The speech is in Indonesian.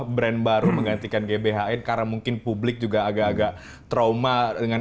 perubahan yang baru menggantikan gbh karena mungkin publik juga agak agak trauma dengan